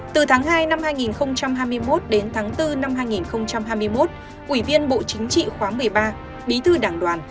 từ tháng hai năm hai nghìn hai mươi một đến tháng bốn năm hai nghìn hai mươi một bí thư chung mương đảng khóa một mươi ba bí thư đảng đoàn